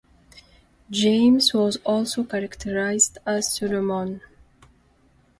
James was also characterised as Solomon.